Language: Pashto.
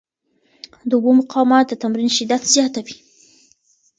د اوبو مقاومت د تمرین شدت زیاتوي.